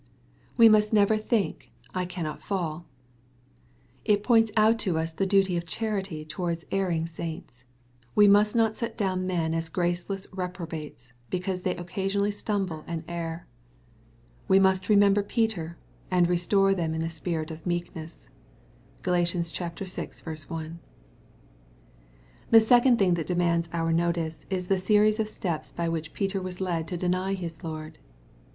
We must never think, '^ I cannot fall/' It points out to us the duty of charity towards erring saints. We must not set down men as graceless reprobates^ because they occasionally stumble and err. We must remember Peter, and " re store them in the spirit of meekness/' (GaL vi. 1.) The second thing that demands our notice, is the series of steps by which Peter was led to deny his Lord.